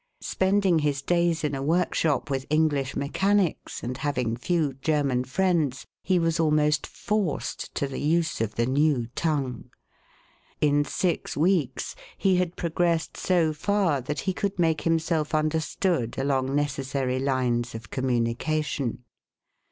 Spending his days in a work shop with English mechanics, and hav ing few German friends, he was almost forced to the use of the new tongue. In six weeks he had progressed so far, that he could make himself understood along necessary lines of communication.